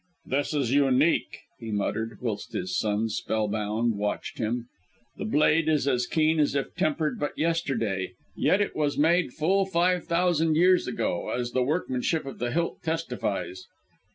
"This is unique," he muttered, whilst his son, spellbound, watched him; "the blade is as keen as if tempered but yesterday; yet it was made full five thousand years ago, as the workmanship of the hilt testifies.